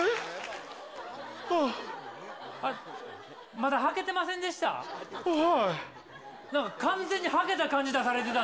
まだはけてませんでした？